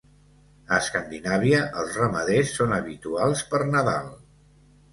A Escandinàvia els ramaders són habituals per Nadal.